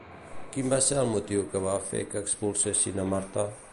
Quin va ser el motiu que va fer que expulsessin a Marta?